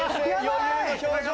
余裕の表情。